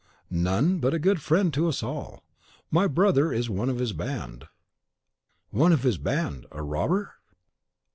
"None; but a good friend to us all. My brother is one of his band." "One of his band! a robber?"